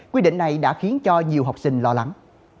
quy định này đã khiến cho nhiều học sinh lo lắng